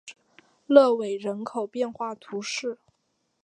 勒韦人口变化图示